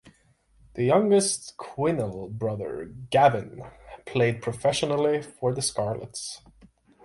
The youngest Quinnell brother, Gavin, played professionally for the Scarlets.